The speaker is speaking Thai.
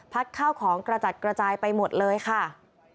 ข้าวของกระจัดกระจายไปหมดเลยค่ะ